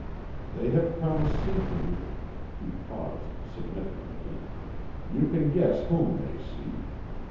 They have come seeking"—he paused significantly—"you can guess whom they seek.